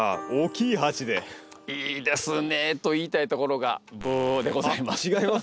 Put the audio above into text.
いいですね！と言いたいところがブーでございます。